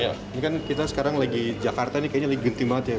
ini kan kita sekarang lagi jakarta ini kayaknya lebih genting banget ya